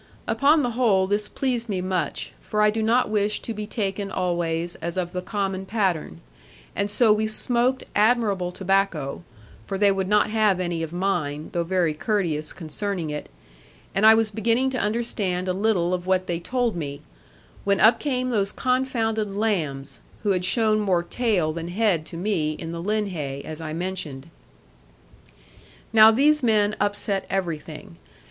Upon the whole this pleased me much; for I do not wish to be taken always as of the common pattern: and so we smoked admirable tobacco for they would not have any of mine, though very courteous concerning it and I was beginning to understand a little of what they told me; when up came those confounded lambs, who had shown more tail than head to me, in the linhay, as I mentioned. Now these men upset everything.